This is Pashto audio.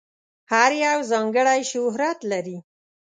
هر یو ځانګړی شهرت لري.